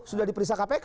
sudah diperiksa kpk